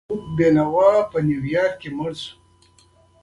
عبدالرؤف بېنوا په نیویارک کې مړ شو.